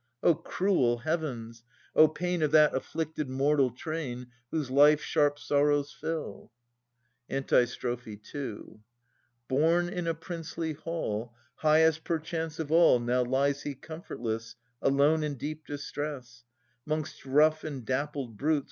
O cruel Heavens! O pain Of that afflicted mortal train Whose life sharp sorrows fill! Antistrophe II. Born in a princely hall, Highest, perchance, of all, Now lies he comfortless Alone in deep distress, 'Mongst rough and dappled brutes.